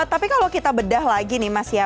tapi kalau kita bedah lagi nih mas ya